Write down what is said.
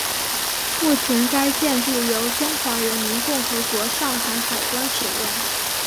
目前该建筑由中华人民共和国上海海关使用。